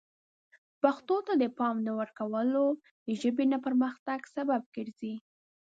پښتو ته د پام نه ورکول د ژبې نه پرمختګ سبب ګرځي.